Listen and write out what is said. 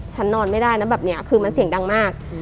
นอนไม่ได้นะแบบนี้คือมันเสียงดังมาก